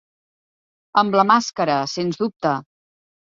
Amb la màscara, sens dubte.